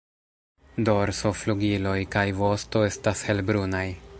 Dorso, flugiloj kaj vosto estas helbrunaj.